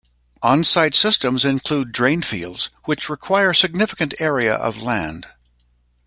On-site systems include drain fields, which require significant area of land.